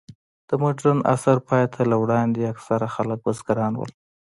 د مډرن عصر پای ته له وړاندې، اکثره خلک بزګران ول.